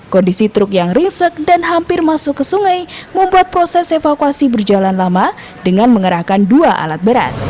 kondisi truk yang risek dan hampir masuk ke sungai membuat proses evakuasi berjalan lama dengan mengerahkan dua alat berat